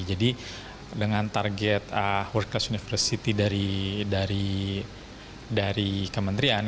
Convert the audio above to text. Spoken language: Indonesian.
jadi dengan target work class university dari kementerian